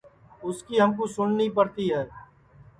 اُس کی ہمکُو سُٹؔنی پڑتی ہے